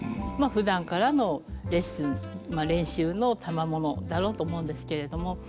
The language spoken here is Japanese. まあふだんからのレッスン練習のたまものだろうと思うんですけれども。